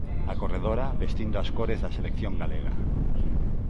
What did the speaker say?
A corredora, vestindo as cores da selección galega.